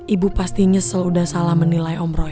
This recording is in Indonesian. ibu pasti nyesel udah salah menilai om roy